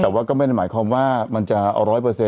แต่ว่าก็ไม่ได้หมายความว่ามันจะเอา๑๐๐